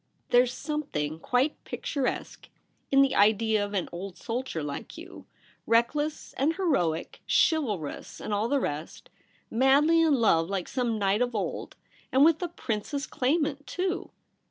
There's some thing quite picturesque in the idea of an old soldierlike you, reckless and heroic, chivalrous and all the rest, madly in love like some knight of old — and with a princess claimant, too